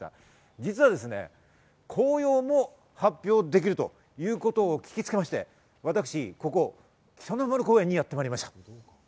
実は紅葉も発表できるということを聞きつけまして、私、ここ北の丸公園にやってまいりました。